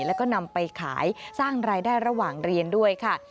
แล้วก็นำไปขายสร้างรายได้ระหว่างเรียนด้วยค่ะ